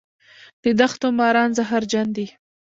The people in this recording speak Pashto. د دښتو ماران زهرجن دي